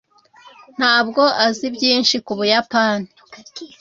ntabwo azi byinshi ku buyapani